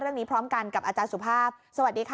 เรื่องนี้พร้อมกันกับอาจารย์สุภาพสวัสดีค่ะ